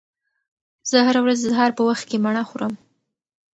زه هره ورځ د سهار په وخت کې مڼه خورم.